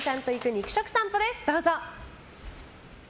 肉食さんぽです。